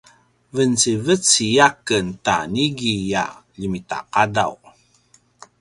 vencivecik a ken ta niki a ljemitaqadaw